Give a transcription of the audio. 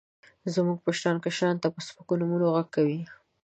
زموږ مشران، کشرانو ته په سپکو نومونو غږ کوي.